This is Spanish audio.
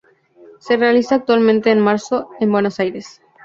Se realiza anualmente en marzo, en Buenos Aires.